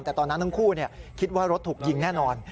แต่ตอนนั้นทั้งคู่คิดว่ารถถูกยิงแน่นอน